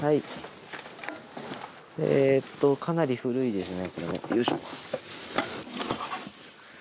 かなり古いものですね。